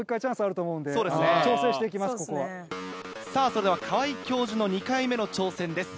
それでは川井教授の２回目の挑戦です。